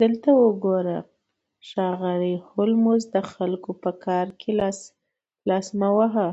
دلته وګوره ښاغلی هولمز د خلکو په کار کې لاس مه وهه